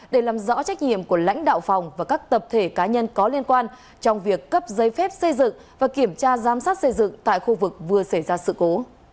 để làm rõ trách nhiệm của lãnh đạo phòng và các tập thể cá nhân có liên quan trong việc cấp giấy phép xây dựng và kiểm tra giám sát xây dựng tại khu vực vừa xảy ra sự cố